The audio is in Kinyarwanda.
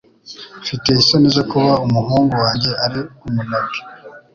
Mfite isoni zo kuba umuhungu wanjye ari umunebwe